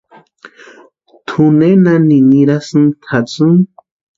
¿Tú nena ninirasïnki tʼatsïni?